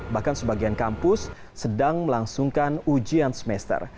bahkan sebagian kampus sedang melangsungkan ujian semester